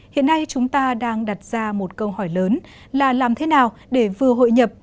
hiện nay chúng ta đang đặt ra một câu hỏi lớn là làm thế nào để vừa hội nhập